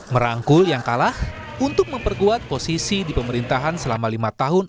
merangkul yang kalah untuk memperkuat posisi di pemerintahan selama lima tahun